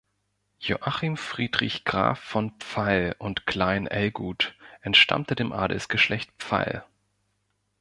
Joachim Friedrich Graf von Pfeil und Klein Ellguth entstammte dem Adelsgeschlecht Pfeil.